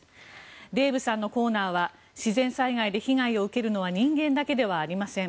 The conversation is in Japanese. デーブさんのコーナーは自然災害で被害を受けるのは人間だけではありません。